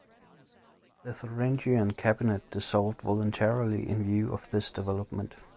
The Thuringian cabinet dissolved voluntarily in view of this development.